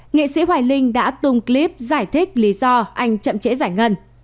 nghệ sĩ hoài linh đã tung clip giải thích lý do anh chậm trễ giải ngân